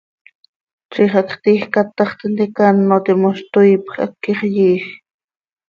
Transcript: Ziix hacx tiij catax tintica áno timoz, tooipj, haquix yiij.